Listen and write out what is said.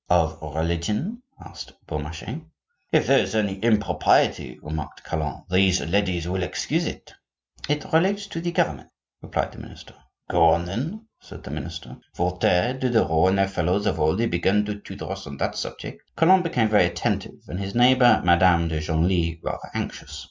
"Of religion?" asked Beaumarchais. "If there is any impropriety," remarked Calonne, "these ladies will excuse it." "It relates to the government," replied the lawyer. "Go on, then," said the minister; "Voltaire, Diderot, and their fellows have already begun to tutor us on that subject." Calonne became very attentive, and his neighbor, Madame de Genlis, rather anxious.